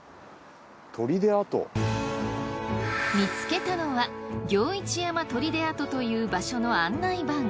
見つけたのは行市山砦跡という場所の案内板。